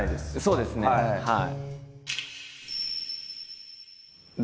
そうですねはい。